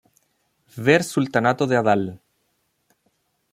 Ver Sultanato de Adal.